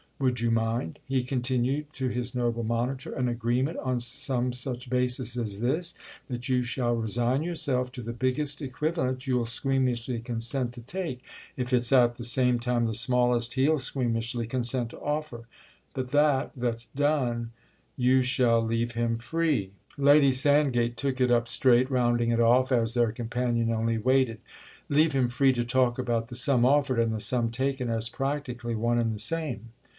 Would you mind," he continued to his noble monitor, "an agreement on some such basis as this?—that you shall resign yourself to the biggest equivalent you'll squeamishly consent to take, if it's at the same time the smallest he'll squeamishly consent to offer; but that, that done, you shall leave him free——" Lady Sandgate took it up straight, rounding it off, as their companion only waited. "Leave him free to talk about the sum offered and the sum taken as practically one and the same?"